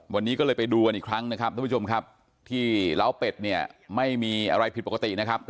วันนี้ก็เลยไปดูกันอีกครั้งนะครับทุกผู้ชมครับที่ล้าวเป็ดเนี่ยไม่มีอะไรผิดปกตินะครับ